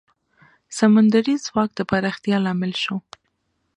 سمندري ځواک د پراختیا لامل شو.